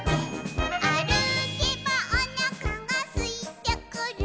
「あるけばおなかがすいてくる」